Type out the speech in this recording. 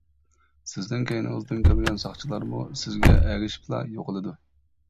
سىزنىڭ كەينىڭىزدىن كەلگەن ساقچىلارمۇ سىزگە ئەگىشىپلا يوقىلىدۇ.